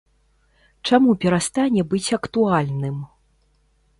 Чаму перастане быць актуальным?